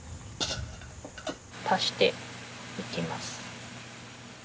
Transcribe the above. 足していきます。